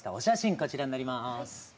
こちらになります。